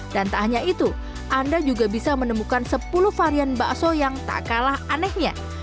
dan tak hanya itu anda juga bisa menemukan sepuluh varian bakso yang tak kalah anehnya